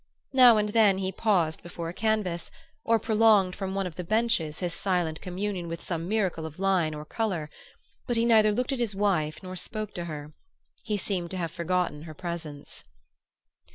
Now and then he paused before a canvas, or prolonged from one of the benches his silent communion with some miracle of line or color; but he neither looked at his wife nor spoke to her. He seemed to have forgotten her presence.